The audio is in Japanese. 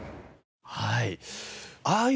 はい。